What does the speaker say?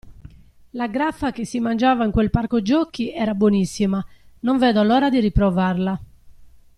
La graffa che si mangiava in quel parco giochi era buonissima, non vedo l'ora di riprovarla.